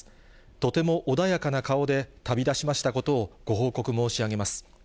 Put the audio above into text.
とても穏やかな顔で旅立ちましたことをご報告申し上げます。